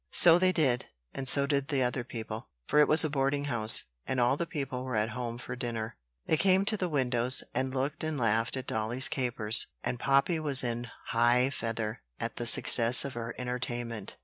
So they did, and so did the other people; for it was a boarding house, and all the people were at home for dinner. They came to the windows, and looked and laughed at dolly's capers, and Poppy was in high feather at the success of her entertainment.